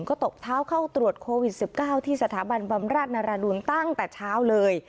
ก็ตบเท้าเข้าตรวจโควิด๑๙ที่สถาบันบำราชนรดูลตั้งแต่เช้าเลย